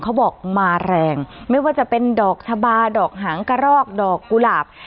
เขาบอกมาแรงไม่ว่าจะเป็นดอกชะบาดอกหางกระรอกดอกกุหลาบ